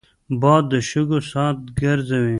باد د شګو ساعت ګرځوي